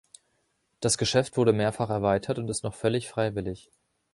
Das Geschäft wurde mehrfach erweitert und ist noch völlig freiwillig.